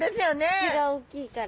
口が大きいから。